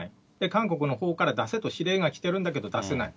韓国のほうから出せと指令が来てるんだけど、出せない。